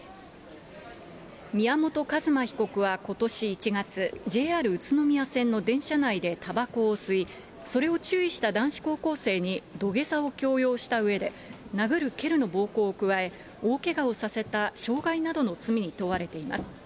宮本一馬被告はことし１月、ＪＲ宇都宮線の電車内でたばこを吸い、それを注意した男子高校生に土下座を強要したうえで、殴る蹴るの暴行を加え、大けがをさせた傷害などの罪に問われています。